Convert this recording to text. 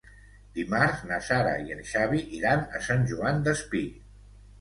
Dimarts na Sara i en Xavi iran a Sant Joan Despí.